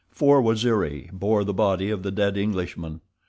Four Waziri bore the body of the dead Englishman.